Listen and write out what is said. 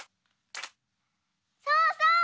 そうそう！